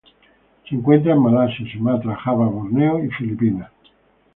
Se encuentra en Malasia, Sumatra, Java, Borneo y Filipinas.